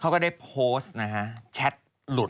วันที่สุดท้าย